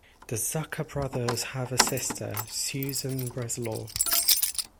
The Zucker brothers have a sister, Susan Breslau.